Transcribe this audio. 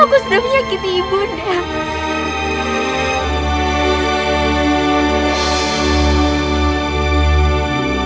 aku sudah menyakiti ibu nek